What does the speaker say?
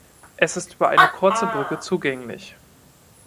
Es ist über eine kurze Brücke zugänglich.